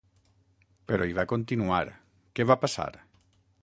Però hi va continuar… què va passar?